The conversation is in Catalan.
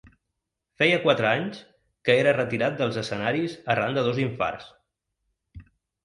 Feia quatre anys que era retirat dels escenaris arran de dos infarts.